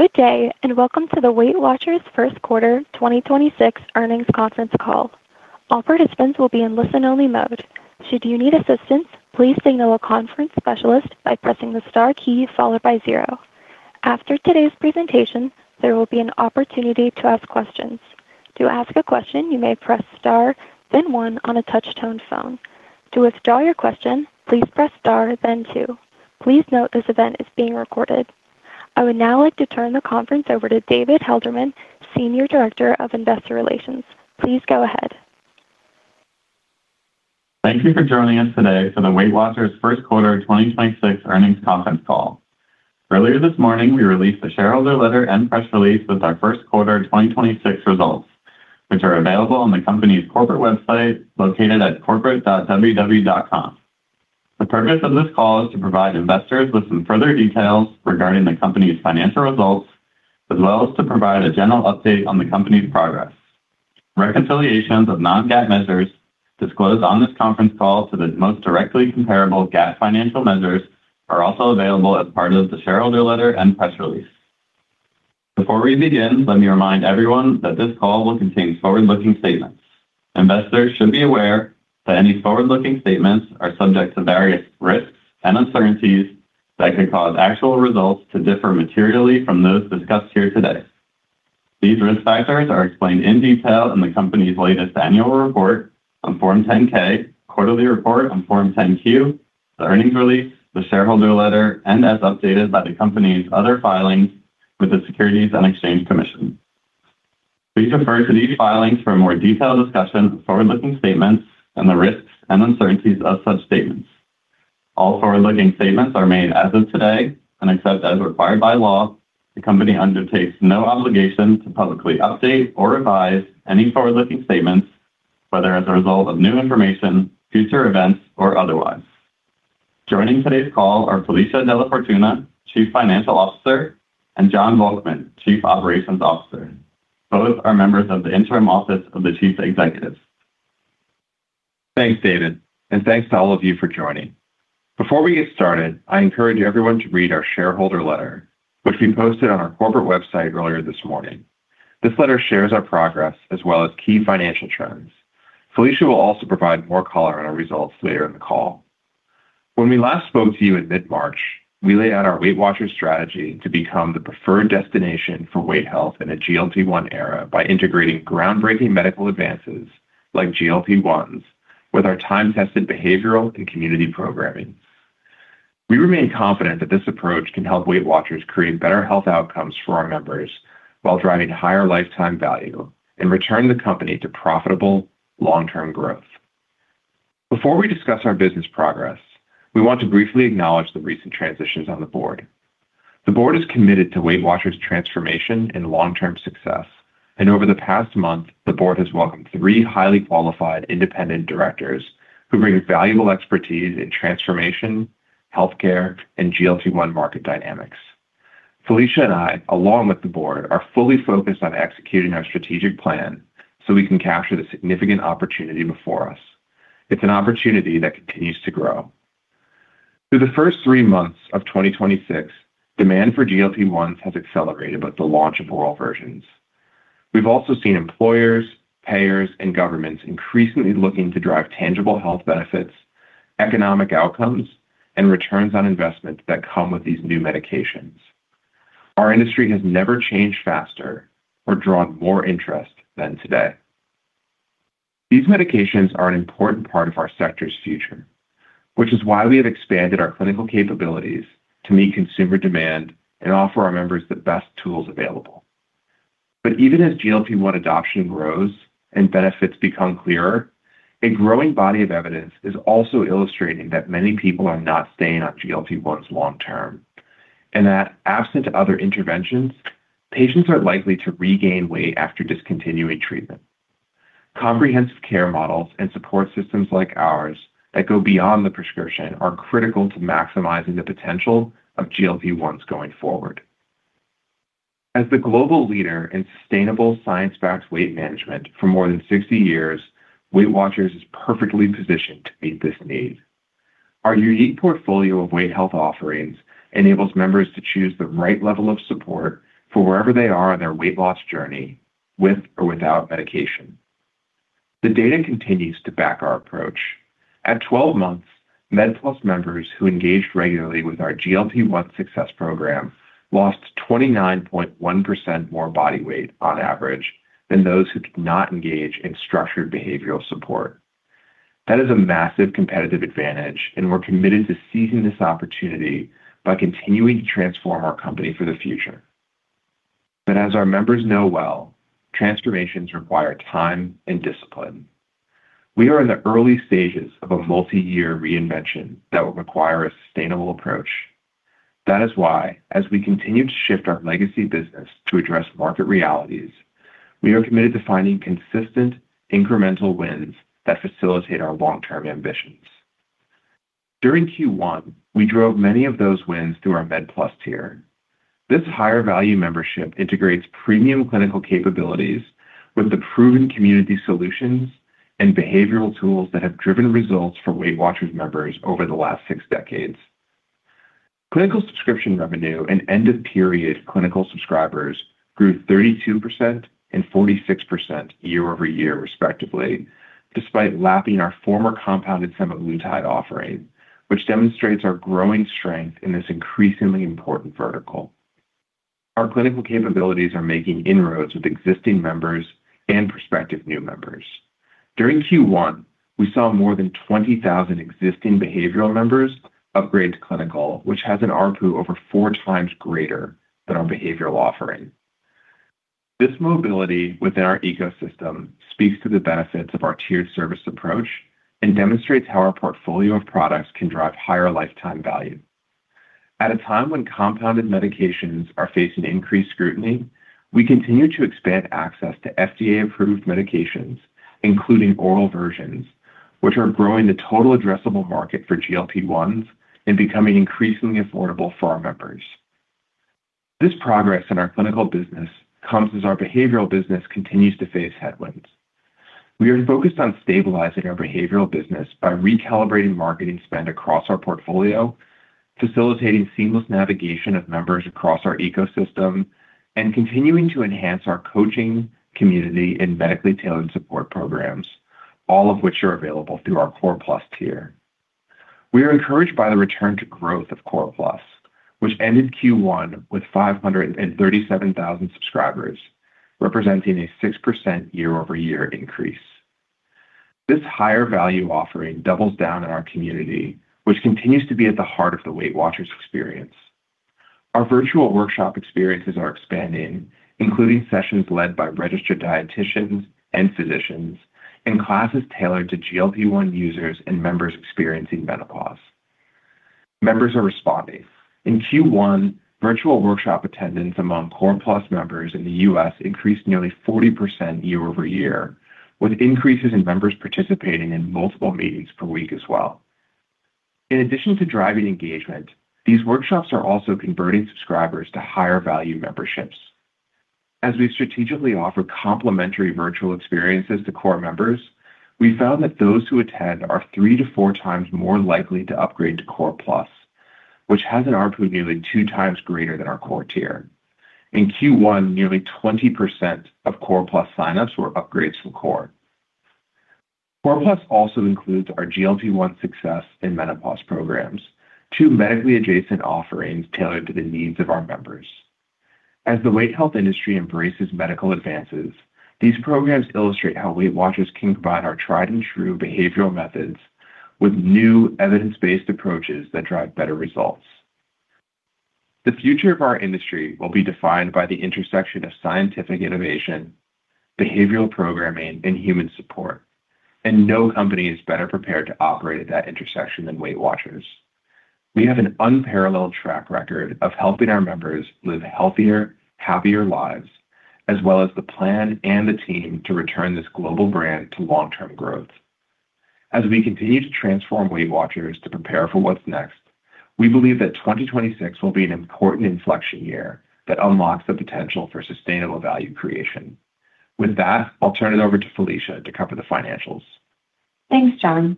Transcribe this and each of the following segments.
Good day, and welcome to the WeightWatchers first quarter 2026 earnings conference call. All participants will be in listen-only mode. Should you need assistance, please signal a conference specialist by pressing the star key followed by zero. After today's presentation, there will be an opportunity to ask questions. To ask a question, you may press star, then one on a touch-tone phone. To withdraw your question, please press star, then two. Please note this event is being recorded. I would now like to turn the conference over to David Helderman, Senior Director of Investor Relations. Please go ahead. Thank you for joining us today for the WeightWatchers first quarter 2026 earnings conference call. Earlier this morning, we released a shareholder letter and press release with our first quarter 2026 results, which are available on the company's corporate website located at corporate.ww.com. The purpose of this call is to provide investors with some further details regarding the company's financial results, as well as to provide a general update on the company's progress. Reconciliations of non-GAAP measures disclosed on this conference call to the most directly comparable GAAP financial measures are also available as part of the shareholder letter and press release. Before we begin, let me remind everyone that this call will contain forward-looking statements. Investors should be aware that any forward-looking statements are subject to various risks and uncertainties that could cause actual results to differ materially from those discussed here today. These risk factors are explained in detail in the company's latest annual report on Form 10-K, quarterly report on Form 10-Q, the earnings release, the shareholder letter, and as updated by the company's other filings with the Securities and Exchange Commission. Please refer to these filings for a more detailed discussion of forward-looking statements and the risks and uncertainties of such statements. All forward-looking statements are made as of today, and except as required by law, the company undertakes no obligation to publicly update or revise any forward-looking statements, whether as a result of new information, future events, or otherwise. Joining today's call are Felicia DellaFortuna, Chief Financial Officer, and Jon Volkmann, Chief Operations Officer. Both are members of the interim office of the chief executive. Thanks, David, and thanks to all of you for joining. Before we get started, I encourage everyone to read our shareholder letter, which we posted on our corporate website earlier this morning. This letter shares our progress as well as key financial trends. Felicia will also provide more color on our results later in the call. When we last spoke to you in mid-March, we laid out our WeightWatchers strategy to become the preferred destination for weight health in a GLP-1 era by integrating groundbreaking medical advances like GLP-1s with our time-tested behavioral and community programming. We remain confident that this approach can help WeightWatchers create better health outcomes for our members while driving higher lifetime value and return the company to profitable long-term growth. Before we discuss our business progress, we want to briefly acknowledge the recent transitions on the board. The board is committed to WeightWatchers' transformation and long-term success. Over the past month, the board has welcomed three highly qualified independent directors who bring valuable expertise in transformation, healthcare, and GLP-1 market dynamics. Felicia and I, along with the board, are fully focused on executing our strategic plan so we can capture the significant opportunity before us. It's an opportunity that continues to grow. Through the first 3 months of 2026, demand for GLP-1s has accelerated with the launch of oral versions. We've also seen employers, payers, and governments increasingly looking to drive tangible health benefits, economic outcomes, and returns on investment that come with these new medications. Our industry has never changed faster or drawn more interest than today. These medications are an important part of our sector's future, which is why we have expanded our clinical capabilities to meet consumer demand and offer our members the best tools available. Even as GLP-1 adoption grows and benefits become clearer, a growing body of evidence is also illustrating that many people are not staying on GLP-1s long term, and that absent other interventions, patients are likely to regain weight after discontinuing treatment. Comprehensive care models and support systems like ours that go beyond the prescription are critical to maximizing the potential of GLP-1s going forward. As the global leader in sustainable science-backed weight management for more than 60 years, WeightWatchers is perfectly positioned to meet this need. Our unique portfolio of weight health offerings enables members to choose the right level of support for wherever they are on their weight loss journey, with or without medication. The data continues to back our approach. At 12 months, Med+ members who engaged regularly with our GLP-1 Success program lost 29.1% more body weight on average than those who did not engage in structured behavioral support. That is a massive competitive advantage, and we're committed to seizing this opportunity by continuing to transform our company for the future. As our members know well, transformations require time and discipline. We are in the early stages of a multi-year reinvention that will require a sustainable approach. That is why, as we continue to shift our legacy business to address market realities, we are committed to finding consistent incremental wins that facilitate our long-term ambitions. During Q1, we drove many of those wins through our Med+ tier. This higher value membership integrates premium clinical capabilities with the proven community solutions and behavioral tools that have driven results for WeightWatchers members over the last six decades. Clinical subscription revenue and end-of-period clinical subscribers grew 32% and 46% year-over-year respectively, despite lapping our former compounded semaglutide offering, which demonstrates our growing strength in this increasingly important vertical. Our clinical capabilities are making inroads with existing members and prospective new members. During Q1, we saw more than 20,000 existing behavioral members upgrade to clinical, which has an ARPU over 4x greater than our behavioral offering. This mobility within our ecosystem speaks to the benefits of our tiered service approach and demonstrates how our portfolio of products can drive higher lifetime value. At a time when compounded medications are facing increased scrutiny, we continue to expand access to FDA-approved medications, including oral versions, which are growing the total addressable market for GLP-1s and becoming increasingly affordable for our members. This progress in our clinical business comes as our behavioral business continues to face headwinds. We are focused on stabilizing our behavioral business by recalibrating marketing spend across our portfolio, facilitating seamless navigation of members across our ecosystem, and continuing to enhance our coaching community and medically tailored support programs, all of which are available through our Core+ tier. We are encouraged by the return to growth of Core+, which ended Q1 with 537,000 subscribers, representing a 6% year-over-year increase. This higher value offering doubles down on our community, which continues to be at the heart of the WeightWatchers experience. Our virtual workshop experiences are expanding, including sessions led by Registered Dietitians and physicians, and classes tailored to GLP-1 users and members experiencing menopause. Members are responding. In Q1, virtual workshop attendance among Core+ members in the U.S. increased nearly 40% year-over-year, with increases in members participating in multiple meetings per week as well. In addition to driving engagement, these workshops are also converting subscribers to higher value memberships. As we strategically offer complimentary virtual experiences to Core members, we found that those who attend are 3x-4x more likely to upgrade to Core+, which has an ARPU nearly 2x greater than our Core tier. In Q1, nearly 20% of Core+ signups were upgrades from Core. Core+ also includes our GLP-1 Success and Menopause Programs, two medically adjacent offerings tailored to the needs of our members. As the weight health industry embraces medical advances, these programs illustrate how WeightWatchers can combine our tried and true behavioral methods with new evidence-based approaches that drive better results. The future of our industry will be defined by the intersection of scientific innovation, behavioral programming, and human support, and no company is better prepared to operate at that intersection than WeightWatchers. We have an unparalleled track record of helping our members live healthier, happier lives, as well as the plan and the team to return this global brand to long-term growth. As we continue to transform WeightWatchers to prepare for what's next, we believe that 2026 will be an important inflection year that unlocks the potential for sustainable value creation. With that, I'll turn it over to Felicia to cover the financials. Thanks, Jon.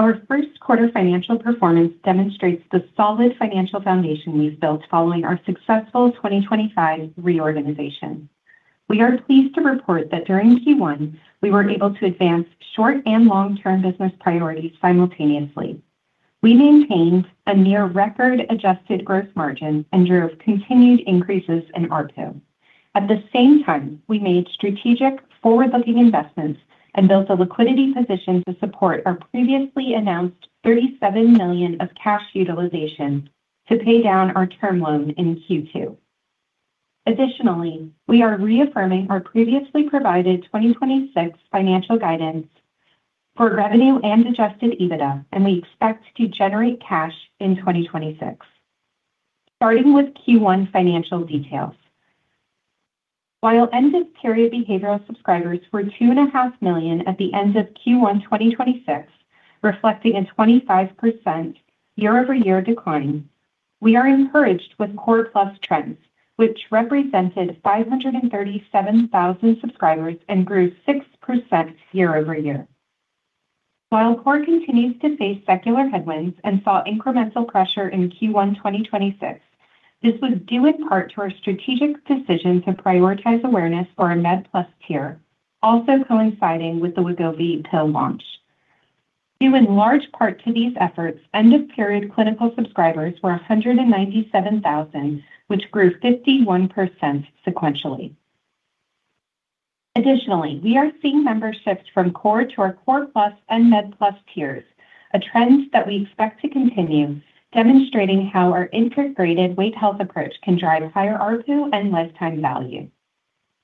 Our first quarter financial performance demonstrates the solid financial foundation we've built following our successful 2025 reorganization. We are pleased to report that during Q1, we were able to advance short and long-term business priorities simultaneously. We maintained a near record adjusted gross margin and drove continued increases in ARPU. At the same time, we made strategic forward-looking investments and built a liquidity position to support our previously announced $37 million of cash utilization to pay down our term loan in Q2. Additionally, we are reaffirming our previously provided 2026 financial guidance for revenue and adjusted EBITDA, and we expect to generate cash in 2026. Starting with Q1 financial details. While end-of-period behavioral subscribers were 2.5 million at the end of Q1 2026, reflecting a 25% year-over-year decline, we are encouraged with Core+ trends, which represented 537,000 subscribers and grew 6% year-over-year. While Core continues to face secular headwinds and saw incremental pressure in Q1 2026, this was due in part to our strategic decision to prioritize awareness for our Med+ tier, also coinciding with the Wegovy pill launch. Due in large part to these efforts, end-of-period clinical subscribers were 197,000, which grew 51% sequentially. Additionally, we are seeing memberships from Core to our Core+ and Med+ tiers, a trend that we expect to continue, demonstrating how our integrated weight health approach can drive higher ARPU and lifetime value.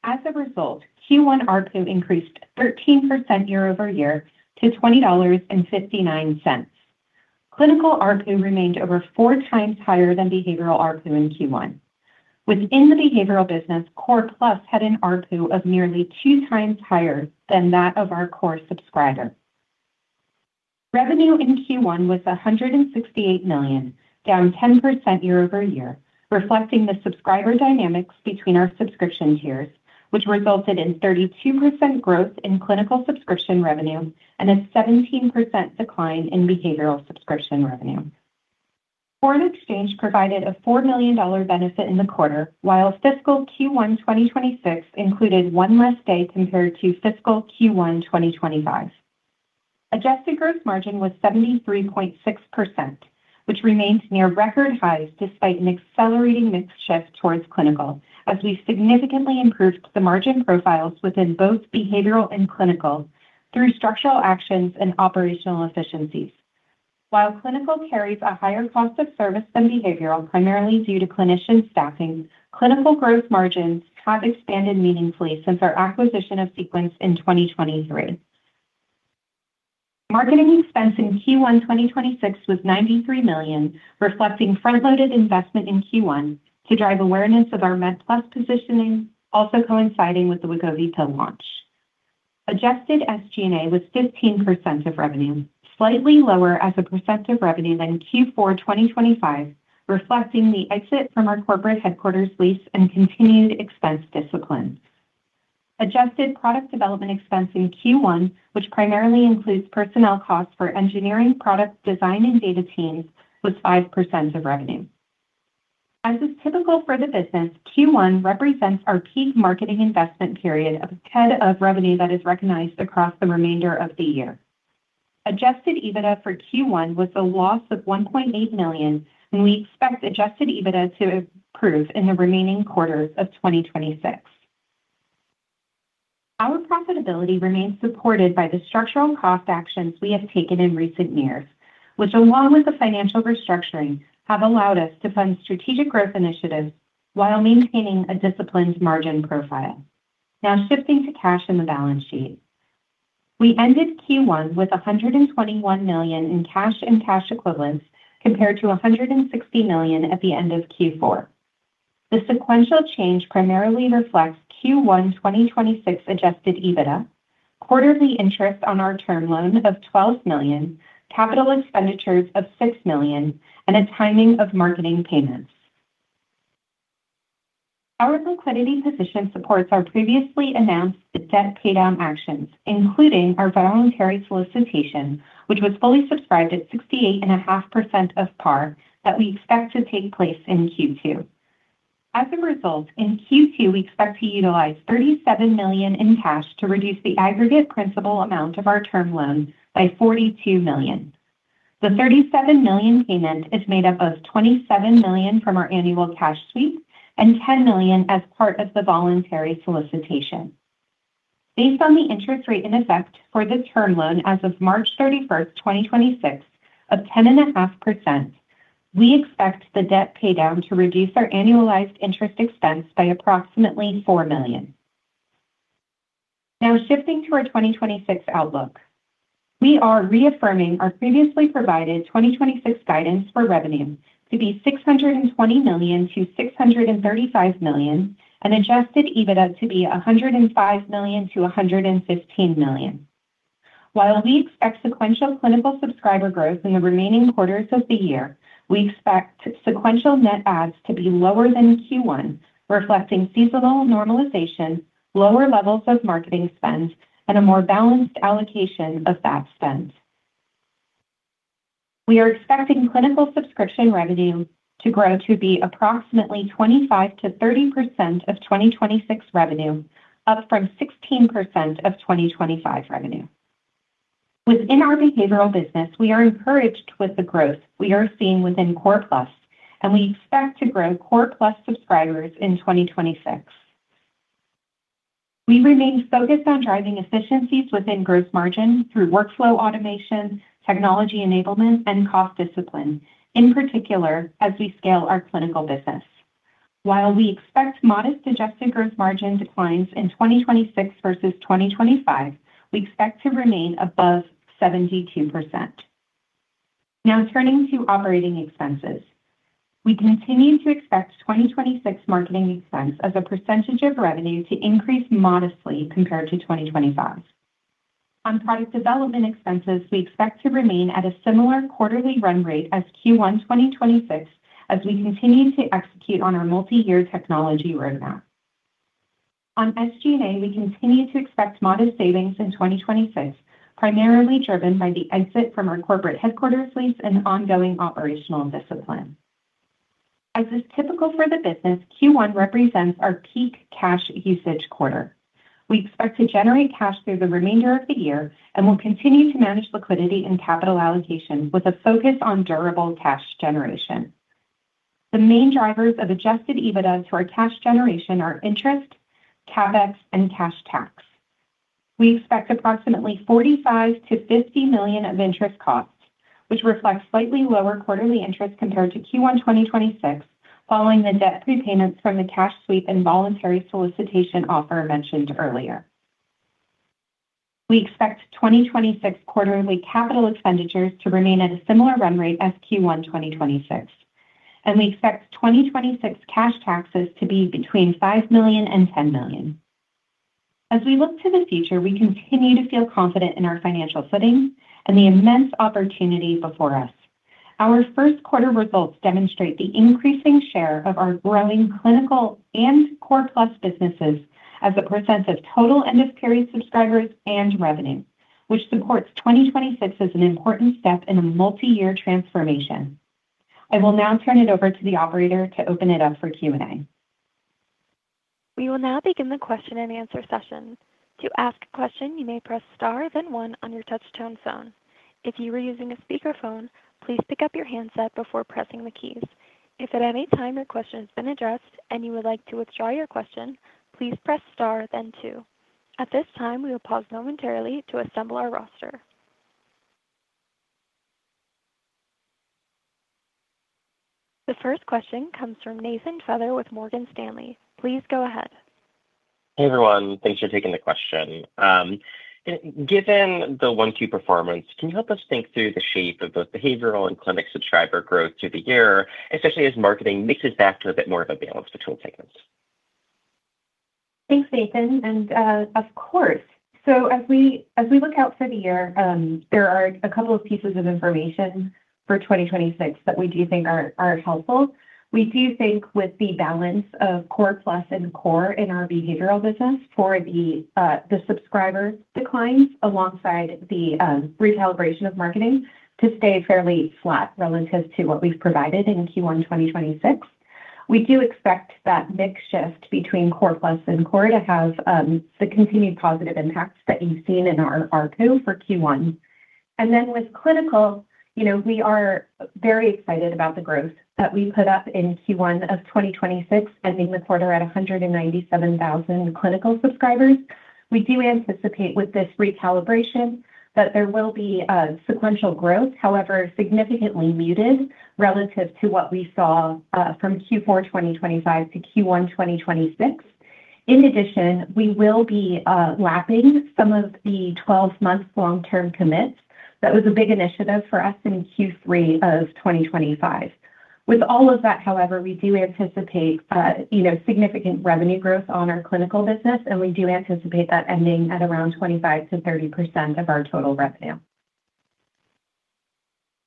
As a result, Q1 ARPU increased 13% year-over-year to $20.59. Clinical ARPU remained over 4x higher than behavioral ARPU in Q1. Within the behavioral business, Core+ had an ARPU of nearly 2x higher than that of our Core subscriber. Revenue in Q1 was $168 million, down 10% year-over-year, reflecting the subscriber dynamics between our subscription tiers, which resulted in 32% growth in clinical subscription revenue and a 17% decline in behavioral subscription revenue. Foreign exchange provided a $4 million benefit in the quarter, while fiscal Q1 2026 included 1 less day compared to fiscal Q1 2025. Adjusted gross margin was 73.6%, which remains near record highs despite an accelerating mix shift towards clinical as we significantly improved the margin profiles within both behavioral and clinical through structural actions and operational efficiencies. While clinical carries a higher cost of service than behavioral, primarily due to clinician staffing, clinical gross margins have expanded meaningfully since our acquisition of Sequence in 2023. Marketing expense in Q1 2026 was $93 million, reflecting front-loaded investment in Q1 to drive awareness of our Med+ positioning, also coinciding with the Wegovy launch. Adjusted SG&A was 15% of revenue, slightly lower as a percent of revenue than Q4 2025, reflecting the exit from our corporate headquarters lease and continued expense discipline. Adjusted product development expense in Q1, which primarily includes personnel costs for engineering, product design, and data teams, was 5% of revenue. As is typical for the business, Q1 represents our peak marketing investment period ahead of revenue that is recognized across the remainder of the year. Adjusted EBITDA for Q1 was a loss of $1.8 million, and we expect adjusted EBITDA to improve in the remaining quarters of 2026. Our profitability remains supported by the structural cost actions we have taken in recent years, which along with the financial restructuring, have allowed us to fund strategic growth initiatives while maintaining a disciplined margin profile. Now shifting to cash and the balance sheet. We ended Q1 with $121 million in cash and cash equivalents, compared to $160 million at the end of Q4. The sequential change primarily reflects Q1 2026 adjusted EBITDA, quarterly interest on our term loan of $12 million, capital expenditures of $6 million, and a timing of marketing payments. Our liquidity position supports our previously announced debt paydown actions, including our voluntary solicitation, which was fully subscribed at 68.5% of PAR that we expect to take place in Q2. As a result, in Q2, we expect to utilize $37 million in cash to reduce the aggregate principal amount of our term loan by $42 million. The $37 million payment is made up of $27 million from our annual cash sweep and $10 million as part of the voluntary solicitation. Based on the interest rate in effect for the term loan as of March 31st, 2026 of 10.5%, we expect the debt paydown to reduce our annualized interest expense by approximately $4 million. Now shifting to our 2026 outlook. We are reaffirming our previously provided 2026 guidance for revenue to be $620 million-$635 million and adjusted EBITDA to be $105 million-$115 million. While we expect sequential clinical subscriber growth in the remaining quarters of the year, we expect sequential net adds to be lower than Q1, reflecting seasonal normalization, lower levels of marketing spend, and a more balanced allocation of that spend. We are expecting clinical subscription revenue to grow to be approximately 25%-30% of 2026 revenue, up from 16% of 2025 revenue. Within our behavioral business, we are encouraged with the growth we are seeing within Core+, and we expect to grow Core+ subscribers in 2026. We remain focused on driving efficiencies within gross margin through workflow automation, technology enablement, and cost discipline, in particular as we scale our clinical business. While we expect modest adjusted gross margin declines in 2026 versus 2025, we expect to remain above 72%. Now turning to operating expenses. We continue to expect 2026 marketing expense as a percentage of revenue to increase modestly compared to 2025. On product development expenses, we expect to remain at a similar quarterly run rate as Q1 2026 as we continue to execute on our multi-year technology roadmap. On SG&A, we continue to expect modest savings in 2026, primarily driven by the exit from our corporate headquarters lease and ongoing operational discipline. As is typical for the business, Q1 represents our peak cash usage quarter. We expect to generate cash through the remainder of the year and will continue to manage liquidity and capital allocation with a focus on durable cash generation. The main drivers of adjusted EBITDA to our cash generation are interest, CapEx, and cash tax. We expect approximately $45 million-$50 million of interest costs, which reflects slightly lower quarterly interest compared to Q1 2026 following the debt prepayments from the cash sweep and voluntary solicitation offer mentioned earlier. We expect 2026 quarterly capital expenditures to remain at a similar run rate as Q1 2026, and we expect 2026 cash taxes to be between $5 million and $10 million. As we look to the future, we continue to feel confident in our financial footing and the immense opportunity before us. Our first quarter results demonstrate the increasing share of our growing clinical and Core+ businesses as a % of total end-of-period subscribers and revenue, which supports 2026 as an important step in a multiyear transformation. I will now turn it over to the operator to open it up for Q&A. We will now begin the question-and-answer session. To ask a question, you may press star then one on your touch-tone phone. If you are using a speakerphone, please pick up your handset before pressing the keys. If at any time your question's been addressed and you would like to withdraw your question, please press star then two. At this time, we will pause momentarily to assemble our roster. The first question comes from Nathan Feather with Morgan Stanley. Please go ahead. Hey, everyone. Thanks for taking the question. Given the 1Q performance, can you help us think through the shape of both behavioral and clinic subscriber growth through the year, especially as marketing mixes back to a bit more of a balance between segments? Thanks, Nathan. Of course. As we look out for the year, there are a couple of pieces of information for 2026 that we do think are helpful. We do think with the balance of Core+ and Core in our behavioral business for the subscriber declines alongside the recalibration of marketing to stay fairly flat relative to what we've provided in Q1 2026. We do expect that mix shift between Core+ and Core to have the continued positive impacts that you've seen in our Q for Q1. With clinical, you know, we are very excited about the growth that we put up in Q1 of 2026, ending the quarter at 197,000 clinical subscribers. We do anticipate with this recalibration that there will be sequential growth, however, significantly muted relative to what we saw from Q4 2025 to Q1 2026. In addition, we will be lapping some of the 12-month long-term commits. That was a big initiative for us in Q3 of 2025. With all of that, however, we do anticipate, you know, significant revenue growth on our clinical business, and we do anticipate that ending at around 25%-30% of our total revenue.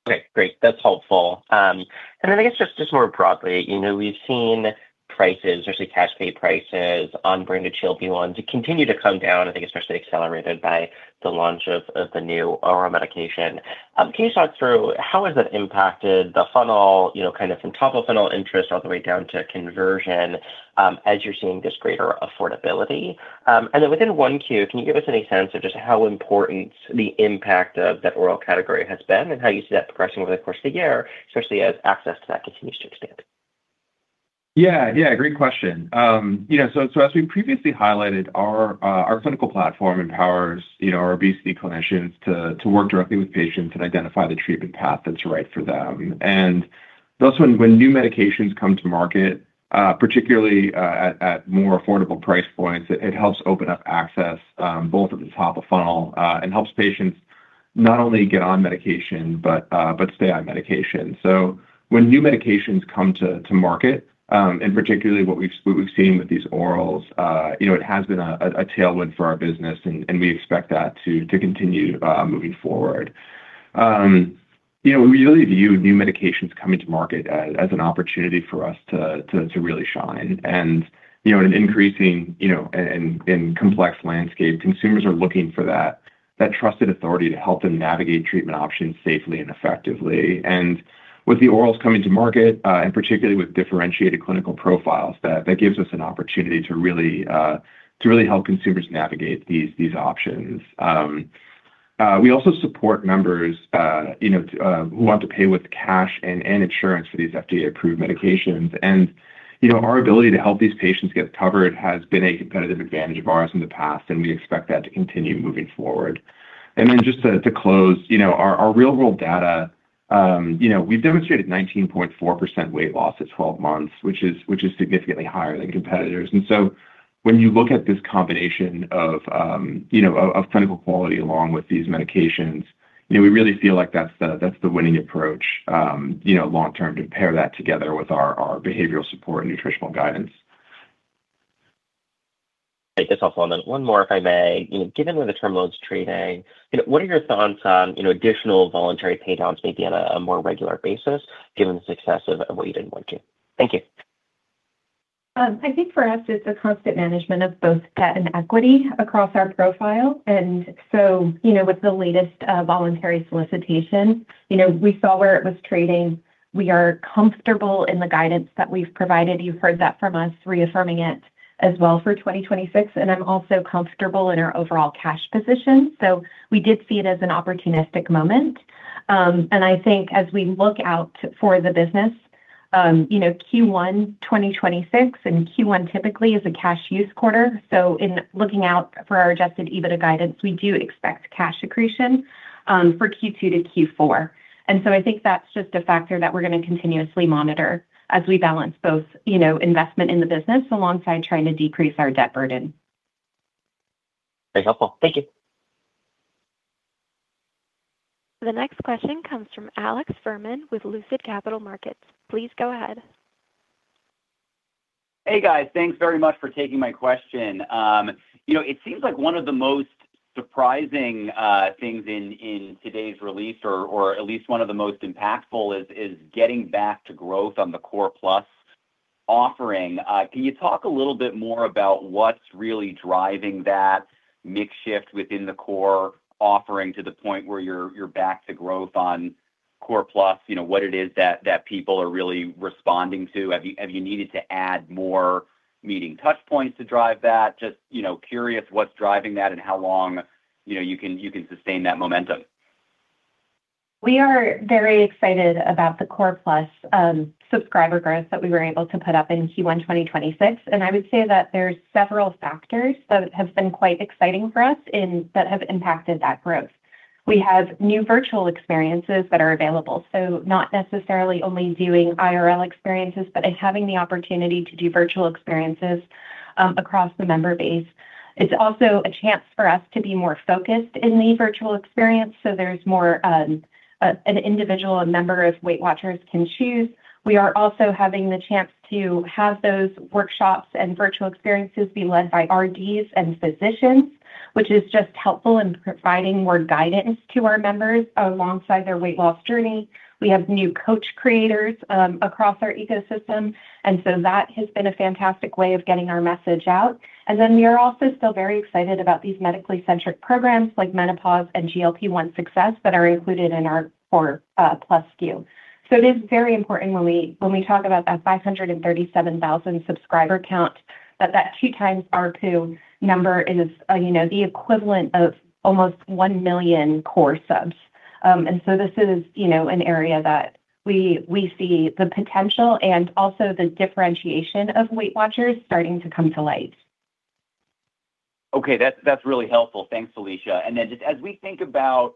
Okay. Great. That's helpful. I guess just more broadly, you know, we've seen prices, especially cash pay prices on branded GLP-1 to continue to come down, I think especially accelerated by the launch of the new oral medication. Can you talk through how has that impacted the funnel, you know, kind of from top-of-funnel interest all the way down to conversion, as you're seeing this greater affordability? Within 1Q, can you give us any sense of just how important the impact of that oral category has been and how you see that progressing over the course of the year, especially as access to that continues to expand? Yeah. Yeah. Great question. You know, as we previously highlighted, our clinical platform empowers, you know, our obesity clinicians to work directly with patients and identify the treatment path that's right for them. Thus when new medications come to market, particularly at more affordable price points, it helps open up access, both at the top of funnel, and helps patients not only get on medication, but stay on medication. When new medications come to market, and particularly what we've seen with these orals, you know, it has been a tailwind for our business and we expect that to continue moving forward. You know, we really view new medications coming to market as an opportunity for us to really shine. You know, in an increasing, you know, in a complex landscape, consumers are looking for that trusted authority to help them navigate treatment options safely and effectively. With the orals coming to market, and particularly with differentiated clinical profiles, that gives us an opportunity to really help consumers navigate these options. We also support members, you know, who want to pay with cash and insurance for these FDA-approved medications. You know, our ability to help these patients get covered has been a competitive advantage of ours in the past, and we expect that to continue moving forward. Just to close, you know, our real world data, you know, we've demonstrated 19.4% weight loss at 12 months, which is significantly higher than competitors. When you look at this combination of, you know, of clinical quality along with these medications, you know, we really feel like that's the winning approach, you know, long term to pair that together with our behavioral support and nutritional guidance. That's helpful. Then one more, if I may. You know, given where the term loan is trading, you know, what are your thoughts on, you know, additional voluntary pay downs maybe on a more regular basis given the success of what you did in 1Q? Thank you. I think for us, it's a constant management of both debt and equity across our profile. You know, with the latest, voluntary solicitation, you know, we saw where it was trading. We are comfortable in the guidance that we've provided. You've heard that from us, reaffirming it as well for 2026, and I'm also comfortable in our overall cash position. We did see it as an opportunistic moment. I think as we look out for the business, you know, Q1 2026 and Q1 typically is a cash use quarter. In looking out for our adjusted EBITDA guidance, we do expect cash accretion for Q2 to Q4. I think that's just a factor that we're going to continuously monitor as we balance both, you know, investment in the business alongside trying to decrease our debt burden. Very helpful. Thank you. The next question comes from Alex Fuhrman with Lucid Capital Markets. Please go ahead. Hey guys. Thanks very much for taking my question. You know, it seems like one of the most surprising things in today's release or at least one of the most impactful is getting back to growth on the Core+ offering. Can you talk a little bit more about what's really driving that mix shift within the Core offering to the point where you're back to growth on Core+? You know, what it is that people are really responding to? Have you needed to add more meeting touch points to drive that? Just, you know, curious what's driving that and how long, you know, you can sustain that momentum. We are very excited about the Core+ subscriber growth that we were able to put up in Q1 2026. I would say that there's several factors that have been quite exciting for us in that have impacted that growth. We have new virtual experiences that are available. Not necessarily only doing IRL experiences, but in having the opportunity to do virtual experiences across the member base. It's also a chance for us to be more focused in the virtual experience, so there's more an individual member of WeightWatchers can choose. We are also having the chance to have those workshops and virtual experiences be led by RDs and physicians, which is just helpful in providing more guidance to our members alongside their weight loss journey. We have new coach creators across our ecosystem. That has been a fantastic way of getting our message out. We are also still very excited about these medically centric programs like Menopause and GLP-1 Success that are included in our Core+ SKU. It is very important when we talk about that 537,000 subscriber count, that 2x ARPU number is, you know, the equivalent of almost 1 million core subs. This is, you know, an area that we see the potential and also the differentiation of WeightWatchers starting to come to light. Okay. That's, that's really helpful. Thanks, Felicia. Just as we think about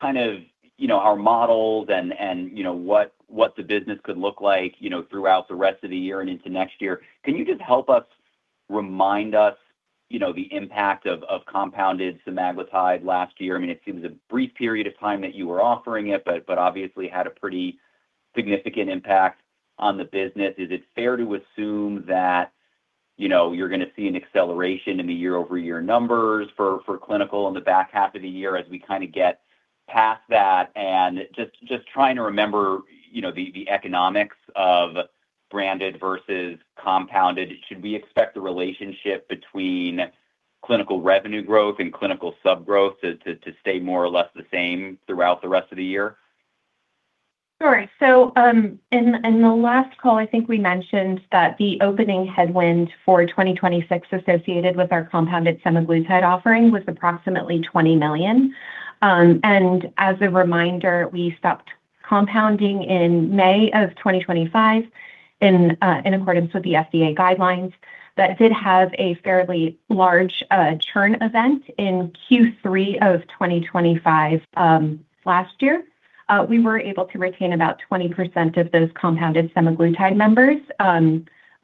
kind of, you know, our models and, you know, what the business could look like, you know, throughout the rest of the year and into next year, can you just help us remind us, you know, the impact of compounded semaglutide last year? I mean, it seems a brief period of time that you were offering it, but obviously had a pretty significant impact on the business. Is it fair to assume that, you know, you're gonna see an acceleration in the year-over-year numbers for clinical in the back half of the year as we kind of get past that? Just, just trying to remember, you know, the economics of branded versus compounded. Should we expect the relationship between clinical revenue growth and clinical sub growth to stay more or less the same throughout the rest of the year? Sure. In the last call, I think we mentioned that the opening headwind for 2026 associated with our compounded semaglutide offering was approximately $20 million. As a reminder, we stopped compounding in May of 2025 in accordance with the FDA guidelines. That did have a fairly large churn event in Q3 of 2025 last year. We were able to retain about 20% of those compounded semaglutide members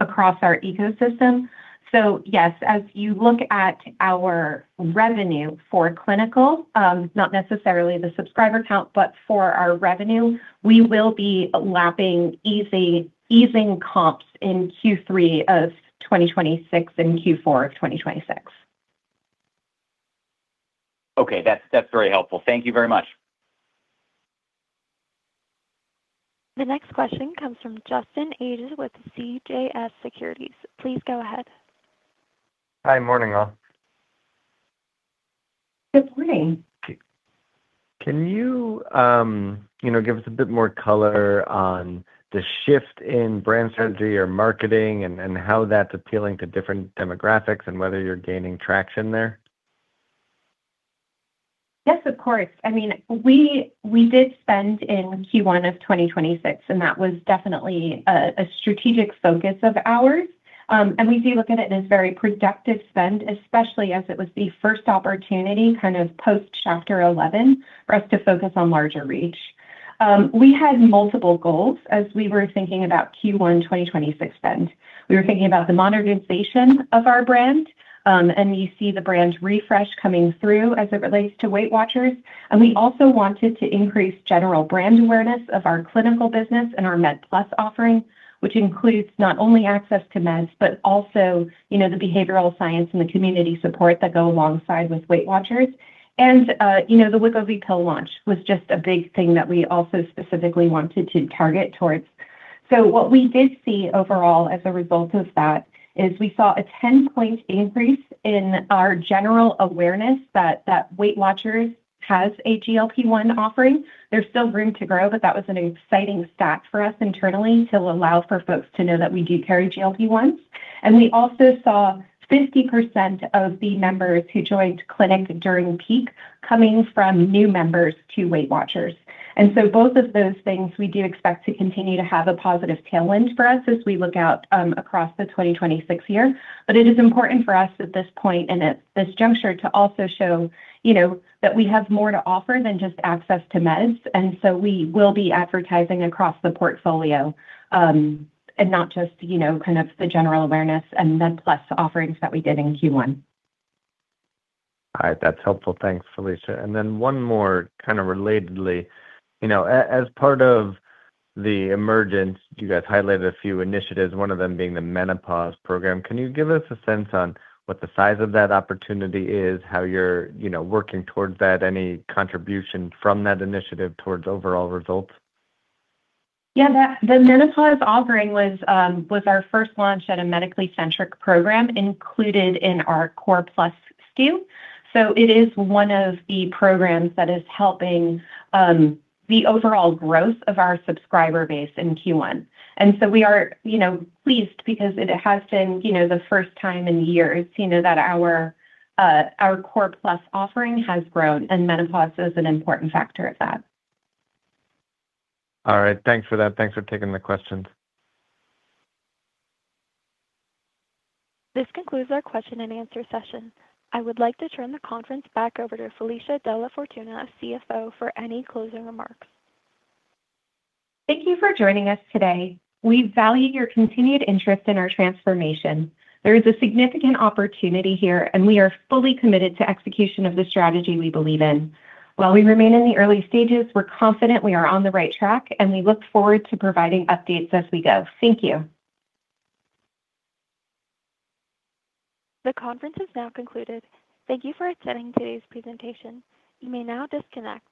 across our ecosystem. As you look at our revenue for clinical, not necessarily the subscriber count, but for our revenue, we will be lapping easing comps in Q3 of 2026 and Q4 of 2026. Okay. That's very helpful. Thank you very much. The next question comes from Justin Ages with CJS Securities. Please go ahead. Hi. Morning, all. Good morning. Can you know, give us a bit more color on the shift in brand strategy or marketing and how that's appealing to different demographics and whether you're gaining traction there? Yes, of course. I mean, we did spend in Q1 of 2026, that was definitely a strategic focus of ours. We do look at it as very productive spend, especially as it was the first opportunity kind of post-Chapter 11 for us to focus on larger reach. We had multiple goals as we were thinking about Q1 2026 spend. We were thinking about the modernization of our brand, you see the brand refresh coming through as it relates to WeightWatchers. We also wanted to increase general brand awareness of our clinical business and our Med+ offering, which includes not only access to meds, but also, you know, the behavioral science and the community support that go alongside with WeightWatchers. You know, the Wegovy pill launch was just a big thing that we also specifically wanted to target towards. What we did see overall as a result of that is we saw a 10-point increase in our general awareness that WeightWatchers has a GLP-1 offering. There's still room to grow, but that was an exciting stat for us internally to allow for folks to know that we do carry GLP-1s. We also saw 50% of the members who joined clinic during peak coming from new members to WeightWatchers. Both of those things we do expect to continue to have a positive tailwind for us as we look out across the 2026 year. It is important for us at this point and at this juncture to also show, you know, that we have more to offer than just access to meds. We will be advertising across the portfolio, and not just, you know, kind of the general awareness and Med+ offerings that we did in Q1. All right. That's helpful. Thanks, Felicia. One more kind of relatedly. You know, as part of the emergence, you guys highlighted a few initiatives, one of them being the Menopause Program. Can you give us a sense on what the size of that opportunity is, how you're, you know, working towards that? Any contribution from that initiative towards overall results? Yeah. The Menopause offering was our first launch at a medically centric program included in our Core+ SKU. It is one of the programs that is helping the overall growth of our subscriber base in Q1. We are, you know, pleased because it has been, you know, the first time in years, you know, that our Core+ offering has grown, and Menopause is an important factor of that. All right. Thanks for that. Thanks for taking the questions. This concludes our question-and-answer session. I would like to turn the conference back over to Felicia DellaFortuna, CFO, for any closing remarks. Thank you for joining us today. We value your continued interest in our transformation. There is a significant opportunity here, and we are fully committed to execution of the strategy we believe in. While we remain in the early stages, we're confident we are on the right track, and we look forward to providing updates as we go. Thank you. The conference has now concluded. Thank you for attending today's presentation. You may now disconnect.